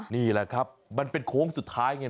นี่แหละครับมันเป็นโค้งสุดท้ายไง